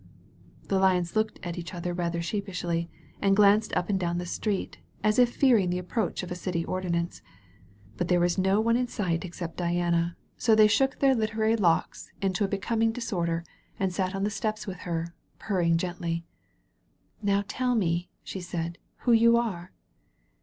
The Lions looked at each other rather sheepishly, and glanced up and down the street, as if fearing the approach of a city ordinance. But there was no one in sight except Diana, so they shook their 224 DIANA AND THE LIONS literary locks into a becoming disorder and sat on the steps with her, purring gently. "Now tell me/' she said, "who you are."